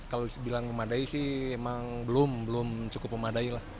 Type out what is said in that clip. kalau bilang memadai sih memang belum cukup memadai lah